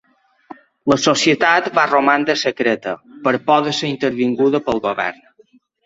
La societat va romandre secreta, per por de ser intervinguda pel govern.